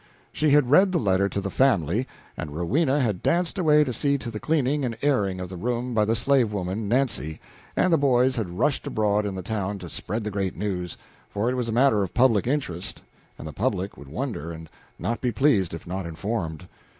She had read the letter to the family, and Rowena had danced away to see to the cleaning and airing of the room by the slave woman Nancy, and the boys had rushed abroad in the town to spread the great news, for it was matter of public interest, and the public would wonder and not be pleased if not informed.